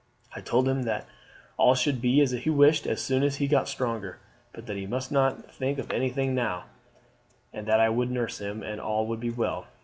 I told him that all should be as he wished as soon as he got stronger, but that he must not think of anything now, and that I would nurse him, and all would be well.